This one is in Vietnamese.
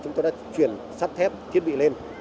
chúng tôi đã chuyển sắt thép thiết bị lên